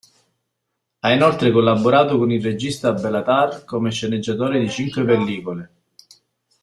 Ha inoltre collaborato con il regista Béla Tarr come sceneggiatore di cinque pellicole.